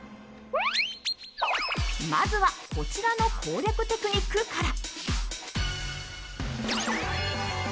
まずはこちらの攻略テクニックから。